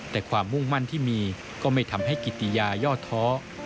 แต่ความมุ่งมั่นที่มีก็ไม่ทำให้กิติยาย่อท้อ